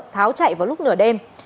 tháo chạy vào lúc nửa đêm